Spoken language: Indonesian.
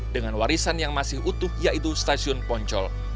dengan warisan yang masih utuh yaitu stasiun poncol